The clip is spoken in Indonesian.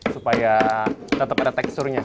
supaya tetap ada teksturnya